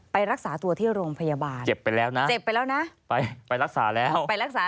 ไปรักษาตัวที่โรงพยาบาลเจ็บไปแล้วนะไปรักษาแล้ว